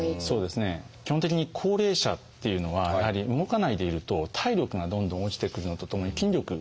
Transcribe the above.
基本的に高齢者っていうのはやはり動かないでいると体力がどんどん落ちてくるのとともに筋力が落ちる。